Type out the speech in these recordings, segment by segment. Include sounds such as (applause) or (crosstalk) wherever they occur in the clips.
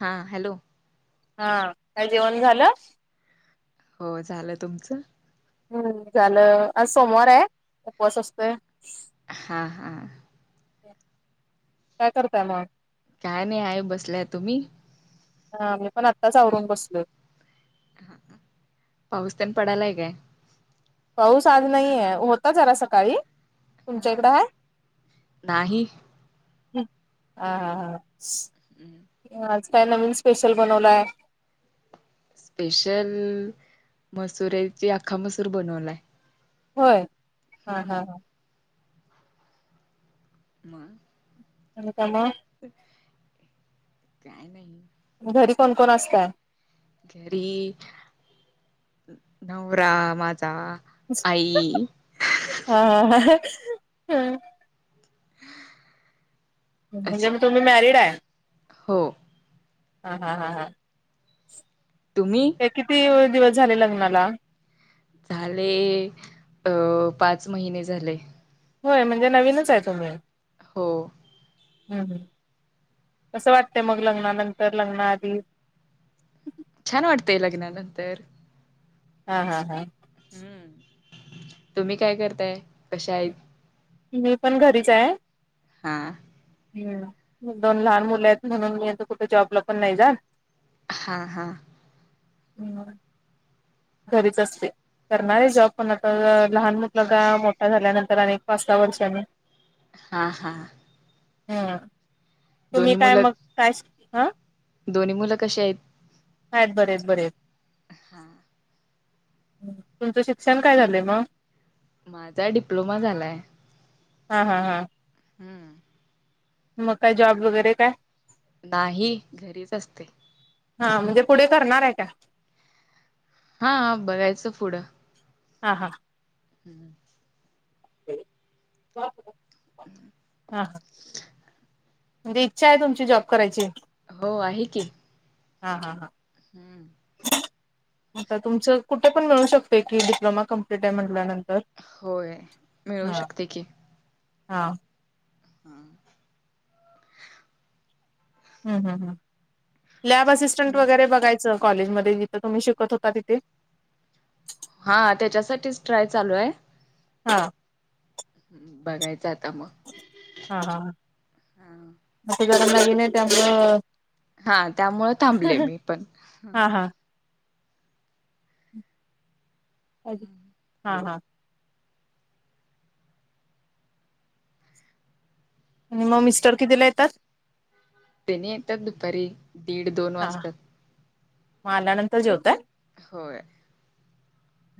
हा हॅलो. हा काय जेवण झालं? हो झालं तुमचं? हम्म झालं आज सोमवाराय उपवास असतोय. हा हा. काय करताय म? काय नाय हाय बसलीया तुम्ही? हा मी पण आत्ताच आवरून बसलोय. पाऊस तेन पडायलाय काय? पाऊस आज नाईया होता जरा सकाळी. तुमच्या हा इकडं हाय? नाही हा हा हा. हम् आज काय नवीन स्पेशल बनवलाय? स्पेशल मसुऱ्याची आख्खा मसूर बनवलाय. होय हा हा हा. हम्म मा झालं कामं? (unintelligible) काय नाई. घरी कोण कोण असतं? घरी... नवरा माझा (unintelligible) आई हा... हाहा... हम्म. म्हणजे अशी मग तुम्ही मॅरिड आहे? हो हाहा... हा... हा. तुम्ही? ते किती दिवस झाले लग्नाला? झाले... अं... पाच महिने झाले. होय... म्हणजे नवीनच ए तुम्ही. हो. हम्म.. हूं हूं... कसं वाटतय मग लग्नानंतर... लग्ना आधी? छान वाटतय लग्न नंतर हा हा हा. हम्म... तुम्ही काय करताय... कशा हेत? मी पण घरीच ए. हां. हम्म... दोन लहान मुलं ए... म्हणून मी कुठं जॉबला पण नाही जात. हां हां. नी मग घरीच असते. करणार आहे जॉब... पण आता, लहान म्हटलं... मुलगा.. मोठा झाल्यानंतर... आणी एक पाच सा वर्षांनी हा हा. ह्म्म्म... तुम्ही दोन्ही काय मुलं मग... काय... स... हा? दोन्ही मुलं कशे हेत? हायेत... बरे हेत... बरे हेत. अं... हा. तुमचं शिक्षण काय झालंय मग? माझा डिप्लोमा झालाय! हा हा हा. हम्म. मग काय... जॉब वगैरे काय? नाही... घरीच असते. हा... म्हणजे पुढे करणार ए का? हा... बघायचं फुडं हा हां. (inaudible) (unintelligible) हा. म्हणजे... इच्छा आहे तुमची जॉब करायची? हो... आहे की. हा हा हा. हम्म. आता तुमचं.... कुठं पण मिळू शकतय की... डिप्लोमा कंमप्लीट ए म्हटल्यानंतर होय... मिळू हा शकतं की. हा. हा (inaudible) ह् ह् ह लॅब असिस्टंट मग वगैरे बघायचं कॉलेजमध्ये जिथं तुम्ही शिकत होता, तिथे हा त्याच्यासाठीच ट्राय चालूय हा बघायचं आता म हा हा आता गरज लागली नाही. त्यामुळं हा त्यामुळं थांबले मी पण हा हा (unintelligible) हा हा आणि म मिस्टर कितीला येतात? त्यानी येतात दुपारी दीड दोन वाजतात म आल्या नंतर जेवताय? होय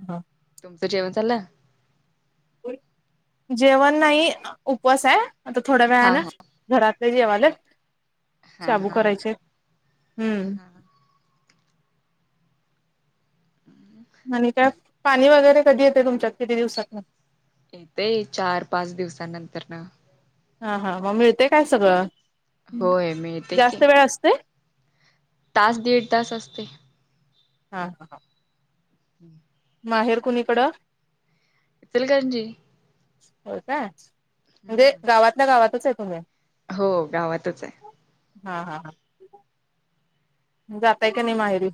हा तुमच जेवण झालं? जेवण नाही उपवास हाय आता थोड्या हा वेळानं हा घरातले जेवालेत हा शाबू हा करायचे, हम्म ह आणि काय? पाणी वगैरे कधी येतेय तुमच्यात किती दिवसातंन? येतय चार पाच दिवसानंतरन हा हा मग मिळते काय सगळं, होय मिळते की जास्त वेळ असते? तास दीड तास असते. हा हा हम् माहेर कोणीकडं? इचलकरंजी? होय का म्हणजे हम्म. गावातल्या गावातच हाय तुम्ही? हो गावातचय हा हा हा जाताय का नाय माहेरी?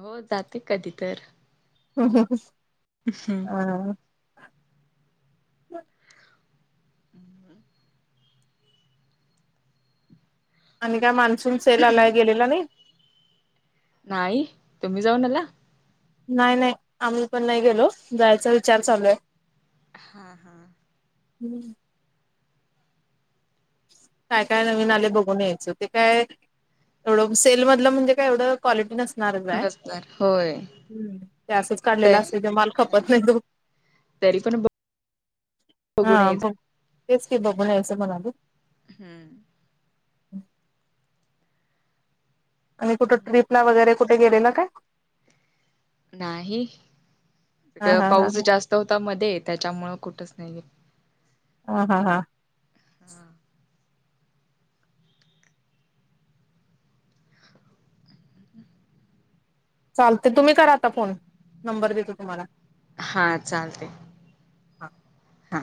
हो जाते कधी तर हं हं हम्म. आ अ आणि काय मान्सून सेल आलाय गेलेला नायी? नाही, तुम्ही जाऊन आला? नायी, नायी आम्ही पण नाही गेलो. जायचा विचार चालूय हा हा हम् काय काय नवीन आले बघून यायचं ते काय एवढं सेल मधलं म्हणजे काय एवढं क्वालिटी नसणारचय नसणार होय ते असंच काढलेलं ते असते जे माल खपत नाही तो तरी पण हा बघून यायच. बघ तेच की बघून यायचं म्हणायलो. हम्म ह आणि कुठं ट्रिपला वगैरे कुठे गेलेलं काय? नाही, हा इकडं हा हा पाऊस हा जास्त होता मध्ये त्याच्यामुळ कुठचं नाही गेलो ह हा हां चालते तुम्ही करा आता फोन नंबर देतो तुम्हाला. हां चालतंय हा हा